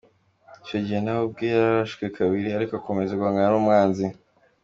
Icyo gihe nawe ubwe yararashwe kabiri, ariko akomeza guhangana numwanzi.